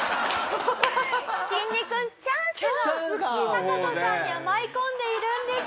きんに君チャンスがタカトさんには舞い込んでいるんです。